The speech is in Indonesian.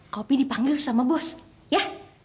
kopi dipanggil sama bos ya